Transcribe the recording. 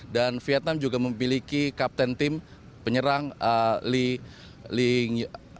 dan vietnam juga memiliki kapten tim penyerang